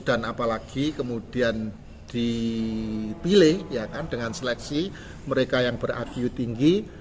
dan apalagi kemudian dipilih dengan seleksi mereka yang berakiu tinggi